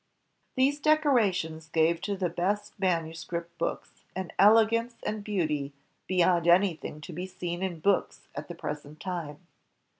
These decorations gave to the best manuscript books an elegance and beauty beyond anything to be seen in books at the present time.